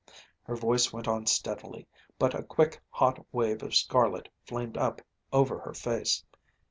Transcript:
Her voice went on steadily, but a quick hot wave of scarlet flamed up over her face.